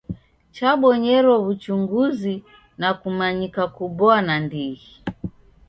Chabonyero w'uchunguzi na kumanyika kuboa nandighi.